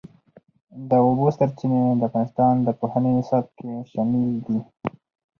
د اوبو سرچینې د افغانستان د پوهنې نصاب کې شامل دي.